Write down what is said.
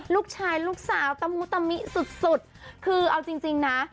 ลูกสาวลูกสาวตะมุตมิสุดสุดคือเอาจริงจริงนะ